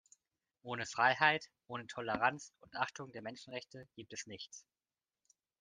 Ohne Freiheit, ohne Toleranz und Achtung der Menschenrechte gibt es nichts.